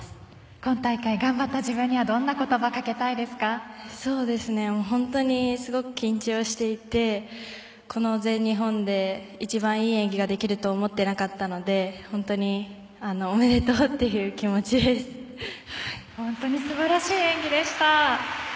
今大会頑張った自分にはどんな言葉を本当にすごく緊張していてこの全日本で一番いい演技ができると思っていなかったので本当におめでとうっていう本当に素晴らしい演技でした。